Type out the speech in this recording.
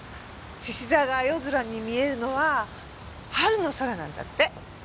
獅子座が夜空に見えるのは春の空なんだって。